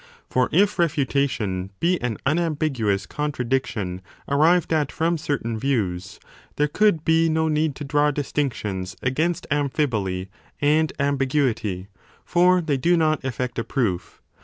For if refutation be an unambiguous contradiction arrived at from certain views, there could be no need to draw distinctions against amphiboly and ambi guity : for they do not effect a proof.